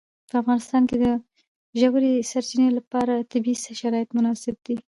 په افغانستان کې د ژورې سرچینې لپاره طبیعي شرایط مناسب دي.